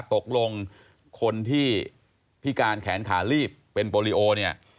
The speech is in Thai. ตกลงคนที่พิการแขนขาลีบเป็นโปรลิโอเนี่ย